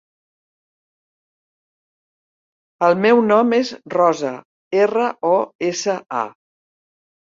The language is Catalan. El meu nom és Rosa: erra, o, essa, a.